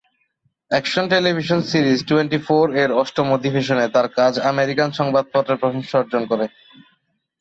Action television series twenty four এর অষ্টম অধিবেশনে তার কাজ আমেরিকান সংবাদপত্রে প্রশংসা অর্জন করে।